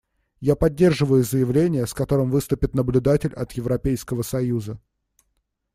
Я поддерживаю заявление, с которым выступит наблюдатель от Европейского союза.